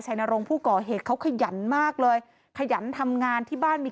นรงค์ผู้ก่อเหตุเขาขยันมากเลยขยันทำงานที่บ้านมี